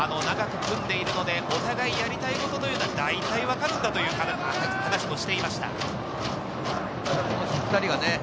長く組んでいるので、お互いやりたいことというのは大体分かるんだという話もしていました。